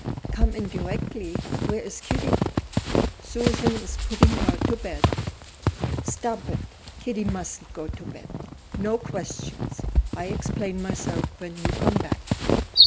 "Come in directly! Where is Kitty?" "Susan is putting her to bed." "Stop it! Kitty mustn't go to bed. No questions. I'll explain myself when you come back."